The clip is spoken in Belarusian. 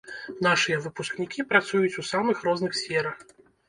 Нашыя выпускнікі працуюць у самых розных сферах.